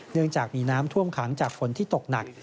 เนื่องจากมีน้ำท่วมขังจากฝนที่ตกหนัก